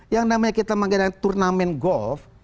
yang namanya kita mengadakan turnamen golf